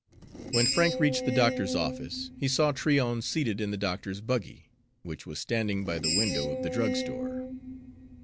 When Frank reached the doctor's office, he saw Tryon seated in the doctor's buggy, which was standing by the window of the drugstore.